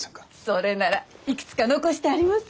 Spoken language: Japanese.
それならいくつか残してあります。